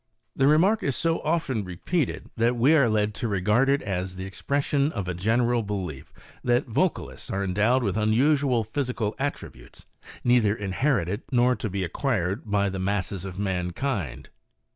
The remark is so often repeated, that we are led to regard it as the expression of a general belief that vocalists are en dowed with unusual physical attributes, neither inherited nor to be acquired by the masses of mankind.